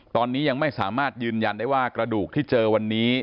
ตอนนี้ยังไม่สามารถยืนยันได้ว่ากระดูกที่เจอวันนี้